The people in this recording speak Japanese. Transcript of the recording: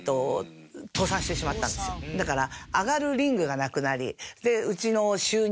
だから。